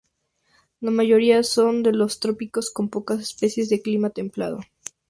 La mayoría son de los trópicos, con pocas especies de clima templado.